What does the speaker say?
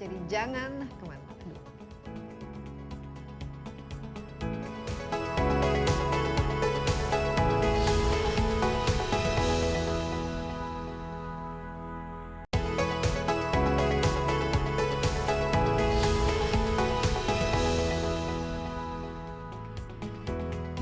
jadi jangan kemana mana